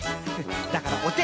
だからお手！